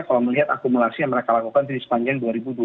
kalau melihat akumulasi yang mereka lakukan di sepanjang dua ribu dua puluh